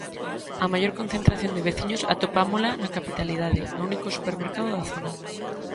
A maior concentración de veciños atopámola na capitalidade, no único supermercado da zona.